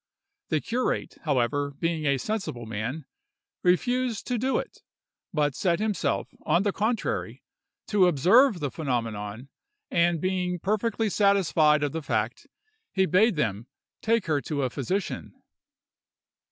The curate, however, being a sensible man, refused to do it, but set himself, on the contrary, to observe the phenomenon, and being perfectly satisfied of the fact, he bade them take her to a physician.